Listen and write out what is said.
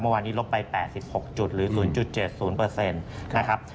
เมื่อวานนี้ลบไป๘๖จุดหรือ๐๗๐นะครับ